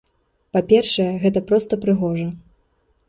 Па-першае, гэта проста прыгожа.